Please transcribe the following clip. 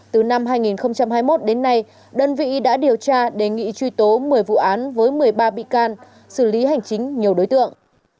từ năm hai nghìn hai mươi một đến nay đơn vị đã điều tra đề nghị truy tố một mươi vụ án với một mươi ba bị can xử lý hành chính nhiều đối tượng